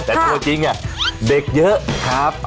ดรวจจริงเด็กเยอะครับ